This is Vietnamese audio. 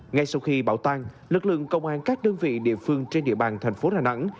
ngay sau khi bão tan lực lượng công an các đơn vị địa phương trên địa bàn thành phố đà nẵng